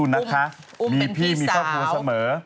อุ้มเป็นพี่สาวอุ้มเป็นพี่สาวมีพี่มีครอบครัวเสมอ